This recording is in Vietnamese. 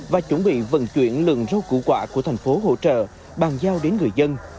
và chuẩn bị vận chuyển lượng rau củ quả của tp hcm bàn giao đến người dân